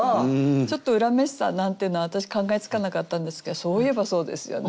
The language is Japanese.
ちょっと恨めしさなんていうのは私考えつかなかったんですけどそういえばそうですよね。